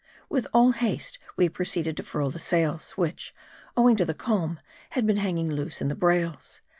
With all haste we proceeded to furl the sails, which, owing to the calm, had been hanging loose in the brails.